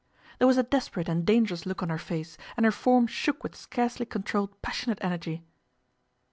There was a desperate and dangerous look on her face, and her form shook with scarcely controlled passionate energy.